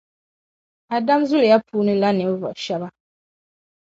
Adam zuliya puuni la ninvuɣu shɛba.